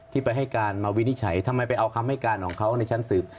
ไปให้การมาวินิจฉัยทำไมไปเอาคำให้การของเขาในชั้นสืบ